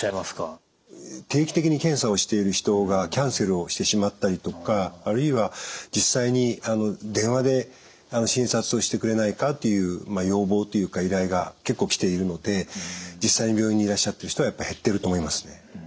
定期的に検査をしている人がキャンセルをしてしまったりとかあるいは実際に電話で診察をしてくれないかというまあ要望というか依頼が結構来ているので実際に病院にいらっしゃってる人はやっぱ減ってると思いますね。